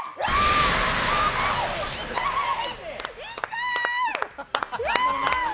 痛い！